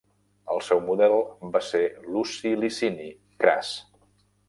El seu model va ser Luci Licini Cras.